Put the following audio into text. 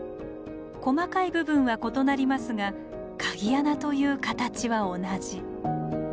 細かい部分は異なりますが鍵穴という形は同じ。